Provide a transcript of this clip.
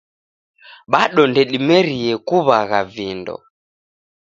Bado ndedimerie kuwagha vindo